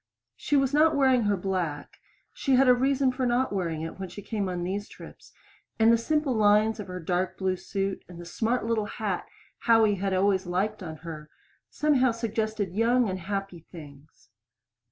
She was not wearing her black; she had a reason for not wearing it when she came on these trips, and the simple lines of her dark blue suit and the smart little hat Howie had always liked on her, somehow suggested young and happy things.